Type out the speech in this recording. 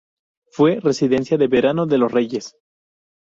Fue residencia de verano de los Reyes.